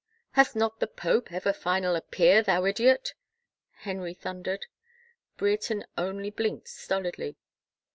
" Hath not the pope ever final appeal, thou idiot ?" Henry thundered. Brereton only blinked stolidly.